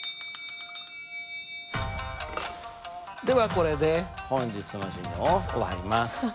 ではこれで本日の授業を終わります。